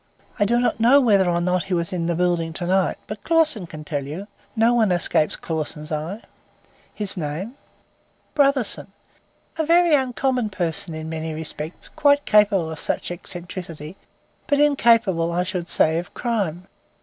I do not know whether or not he was in the building to night, but Clausen can tell you; no one escapes Clausen's eye." "His name." "Brotherson. A very uncommon person in many respects; quite capable of such an eccentricity, but incapable, I should say, of crime.